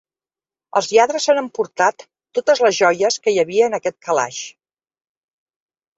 Els lladres s'han emportat totes les joies que hi havia en aquest calaix!